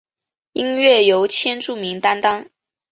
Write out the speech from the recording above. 音乐由千住明担当。